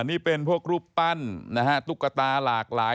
นี่เป็นพวกรูปปั้นนะฮะตุ๊กตาหลากหลาย